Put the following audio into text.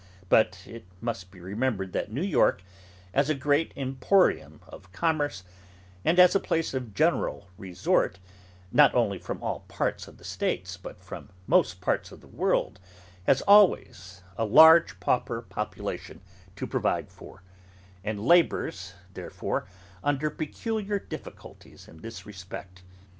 But it must be remembered that New York, as a great emporium of commerce, and as a place of general resort, not only from all parts of the States, but from most parts of the world, has always a large pauper population to provide for; and labours, therefore, under peculiar difficulties in this respect.